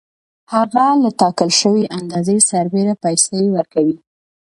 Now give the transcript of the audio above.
هغه له ټاکل شوې اندازې سربېره پیسې ورکوي